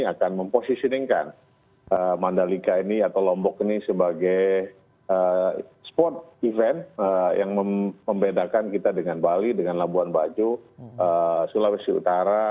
akan memposisingkan mandalika ini atau lombok ini sebagai sport event yang membedakan kita dengan bali dengan labuan bajo sulawesi utara